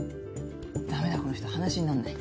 だめだこの人話になんない。